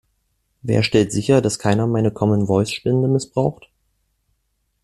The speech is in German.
Wer stellt sicher, dass keiner meine Common Voice Spende missbraucht?